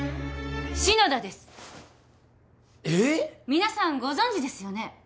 皆さんご存じですよね？